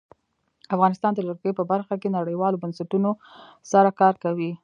افغانستان د جلګه په برخه کې نړیوالو بنسټونو سره کار کوي.